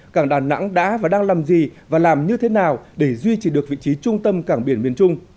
cảng đà nẵng đã và đang làm gì và làm như thế nào để duy trì được vị trí trung tâm cảng biển miền trung